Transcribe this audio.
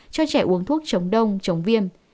cho trẻ uống thuốc chống đông chống viêm